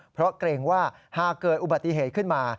เพราะเกรงว่าหากเกิดอุบัติเหตุขึ้นมา